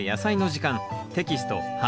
テキスト８